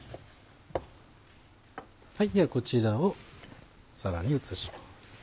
ではこちらを皿に移します。